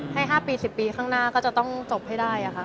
ให้๕ปี๑๐ปีข้างหน้าก็จะต้องจบให้ได้ค่ะ